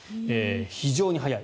非常に速い。